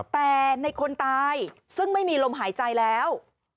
แต่ในคนตายซึ่งไม่มีลมหายใจแล้ว